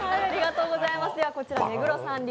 こちら、目黒さん流！